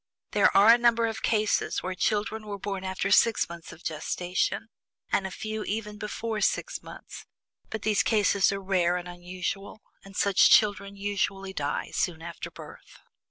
There are a number of cases of record where children have been born after six months of gestation, and a few even before the six months, but these cases are rare and unusual, and such children usually die soon after birth.